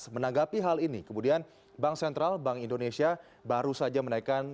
menanggapi hal ini kemudian bank sentral bank indonesia baru saja menaikkan